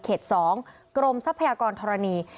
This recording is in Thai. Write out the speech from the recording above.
๒กรมทรัพยากรธรณี